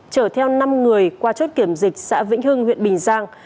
chở theo năm người qua chốt kiểm dịch xã vĩnh hưng huyện bình giang